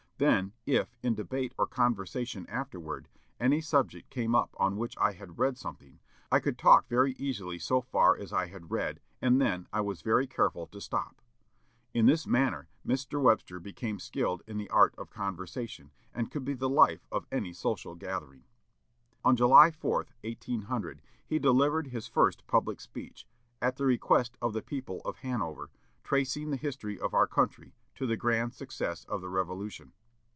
Then, if, in debate or conversation afterward, any subject came up on which I had read something, I could talk very easily so far as I had read, and then I was very careful to stop." In this manner Mr. Webster became skilled in the art of conversation, and could be the life of any social gathering. On July 4, 1800, he delivered his first public speech, at the request of the people of Hanover, tracing the history of our country to the grand success of the Revolution.